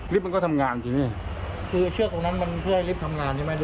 มันก็ทำงานสินี่คือเชือกตรงนั้นมันเพื่อให้ลิฟต์ทำงานใช่ไหม